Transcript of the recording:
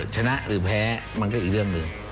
ชนะหรือแพ้มันก็อีกเรื่องหนึ่ง